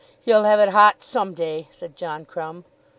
"He'll have it hot some day," said John Crumb.